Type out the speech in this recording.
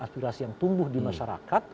aspirasi yang tumbuh di masyarakat